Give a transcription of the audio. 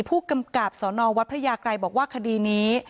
พูดกระบษ์สอนอวทัยวิทยาไกรบอกว่าคดีนี้